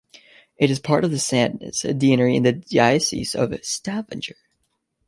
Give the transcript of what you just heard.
It is part of the Sandnes deanery in the Diocese of Stavanger.